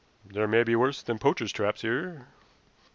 "There may be worse than poachers' traps here."